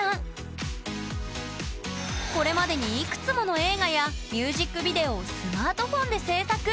これまでにいくつもの映画やミュージックビデオをスマートフォンで制作。